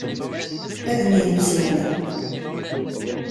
Ad myettun.